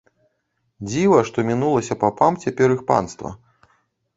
Дзіва, што мінулася папам цяпер іх панства!